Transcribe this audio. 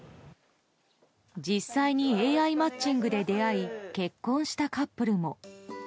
実際にＡＩマッチングで出会い結婚したカップルも。